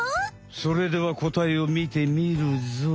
それではこたえをみてみるぞい！